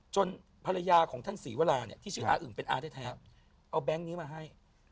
ภรรยาของท่านศรีวราเนี่ยที่ชื่ออาอึ่งเป็นอาแท้เอาแบงค์นี้มาให้